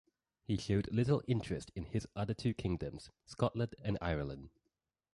He showed little interest in his other two kingdoms, Scotland and Ireland.